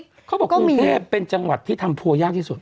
เขาบอกกรุงเทพเป็นจังหวัดที่ทำโพลยากที่สุด